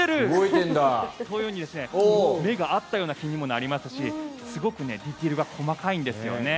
このように目が合ったような気にもなりますしすごくディテールが細かいんですね。